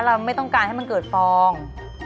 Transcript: เราไม่ต้องการให้มันเกิดฟอง